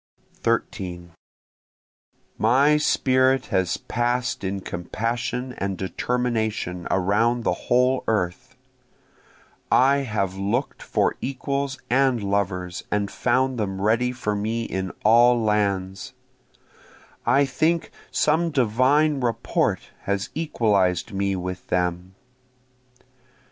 13 My spirit has pass'd in compassion and determination around the whole earth, I have look'd for equals and lovers and found them ready for me in all lands, I think some divine rapport has equalized me with them.